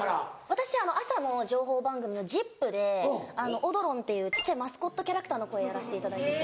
私朝の情報番組の『ＺＩＰ！』でおどろんっていう小っちゃいマスコットキャラクターの声やらせていただいてて。